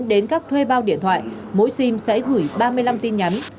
đến các thuê bao điện thoại mỗi sim sẽ gửi ba mươi năm tin nhắn